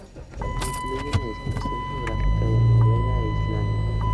Incluye una descripción geográfica de Noruega e Islandia.